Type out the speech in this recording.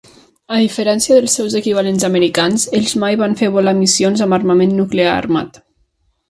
A diferència dels seus equivalents americans, ells mai van fer volar missions amb armament nuclear armat.